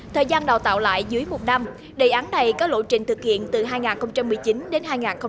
thời gian đào tạo lại dưới một năm đề án này có lộ trình thực hiện từ hai nghìn một mươi chín đến hai nghìn hai mươi